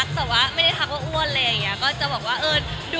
ก็พยายามบารานซ์